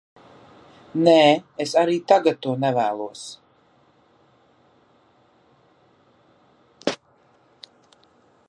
Nē, es arī tagad to nevēlos.